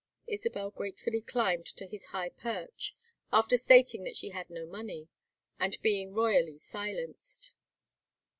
Isabel gratefully climbed to his high perch, after stating that she had no money, and being royally silenced.